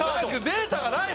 データがないの？